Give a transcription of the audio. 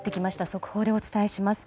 速報でお伝えします。